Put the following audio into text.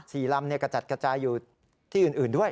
สี่ลำเนี่ยกระจัดกระจายอยู่ที่อื่นด้วย